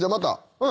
うん。